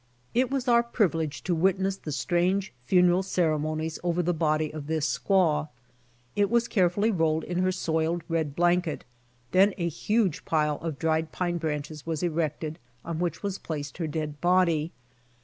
It was our privilege to witness the strangq funeral ceremonies 'over the body of this squaw. It was carefully rolled in her soiled red blanket, then a huge pile of dried pine branches was erected, on which was placed her dead body.